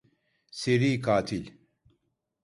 Seri katil.